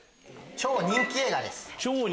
超人気映画です。